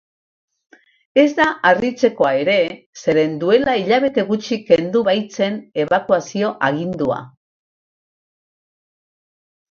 Ez da harritzekoa ere, zeren duela hilabete gutxi kendu baitzen ebakuazio agindua.